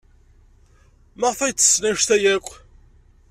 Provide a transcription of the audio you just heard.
Maɣef ay ttessen anect-a akk?